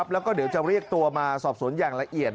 แล้วก็เดี๋ยวจะเรียกตัวมาสอบสวนอย่างละเอียด